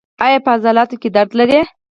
ایا په عضلاتو کې درد لرئ؟